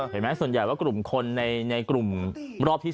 เห็นไหมส่วนใหญ่ว่ากลุ่มคนในกลุ่มรอบที่๓